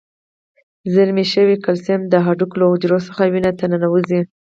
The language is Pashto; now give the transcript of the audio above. زیرمه شوي کلسیم د هډوکو له حجرو څخه وینې ته ننوزي.